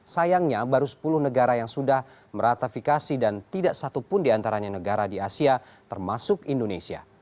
sayangnya baru sepuluh negara yang sudah meratafikasi dan tidak satupun diantaranya negara di asia termasuk indonesia